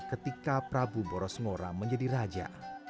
ketika prabu borosmora menjadi raja